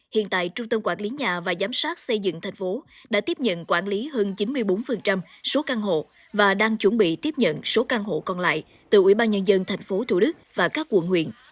hiện tại trung tâm quản lý nhà và giám sát xây dựng tp hcm đã tiếp nhận quản lý hơn chín mươi bốn số căn hộ và đang chuẩn bị tiếp nhận số căn hộ còn lại từ ủy ban nhân dân tp thủ đức và các quận huyện